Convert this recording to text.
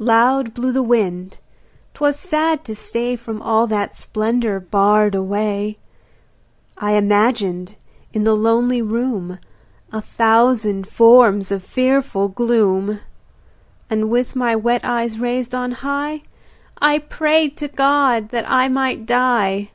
Loud blew the wind; 'twas sad to stay From all that splendour barred away. I imaged in the lonely room A thousand forms of fearful gloom. And with my wet eyes raised on high I prayed to God that I might die.